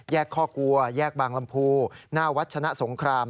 ข้อกลัวแยกบางลำพูหน้าวัดชนะสงคราม